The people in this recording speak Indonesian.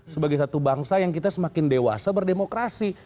sebagai satu bangsa yang kita semakin dewasa berdemokrasi